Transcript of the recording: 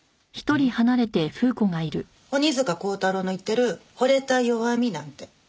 鬼束鋼太郎の言ってる惚れた弱みなんて。